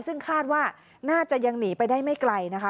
ซึ่งคาดว่าน่าจะยังหนีไปได้ไม่ไกลนะคะ